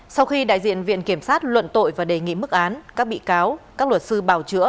sau khi đại diện viện kiểm sát luận tội và đề nghị mức án các bị cáo các luật sư bào chữa